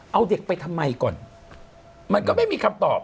เอาเด็กไปทำไมก่อนมันก็ไม่มีคำตอบ